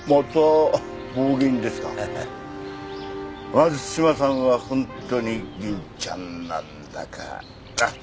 松島さんは本当に銀ちゃんなんだから。